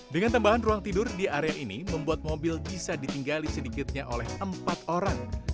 dengan tambahan ruang tidur di area ini membuat mobil bisa ditinggali sedikitnya oleh empat orang